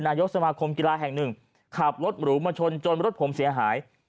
นายกสมาคมกีฬาแห่งหนึ่งขับรถหรูมาชนจนรถผมเสียหาย